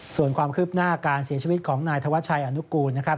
ส่วนความคืบหน้าการเสียชีวิตของนายธวัชชัยอนุกูลนะครับ